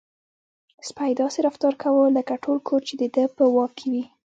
سپی داسې رفتار کاوه لکه ټول کور چې د ده په واک کې وي.